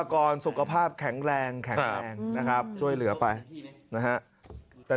กรสุขภาพแข็งแรงแข็งแรงนะครับช่วยเหลือไปนะฮะแต่